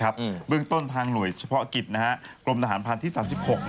เบื้องต้นทางหน่วยเฉพาะกิจกรมทหารพันธ์ที่๓๖